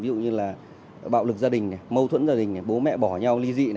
ví dụ như là bạo lực gia đình mâu thuẫn gia đình bố mẹ bỏ nhau ly dị này